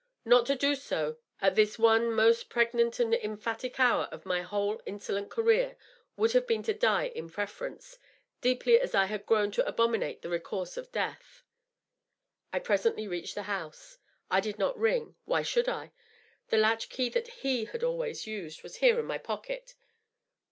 Not to do so at this one most preg nant and emphatic hour of my whole insolent career would have been to die in preference, deeply as I had grown to abominate the recourse of death. I presently reached the house. I did not ring. Why should I ? The latch key that he had always used was here in my pocket.